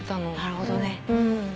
なるほどね。